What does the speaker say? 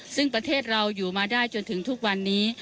ซึ่งประเทศเราอยู่มาได้จนถึงทุกวันนี้